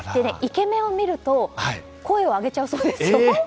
イケメンを見ると声を上げちゃうそうですよ。